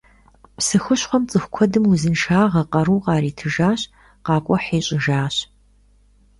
Псы хущхъуэм цӀыху куэдым узыншагъэ, къару къаритыжащ, къакӀухь ищӀыжащ.